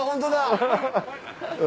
・ハハハ！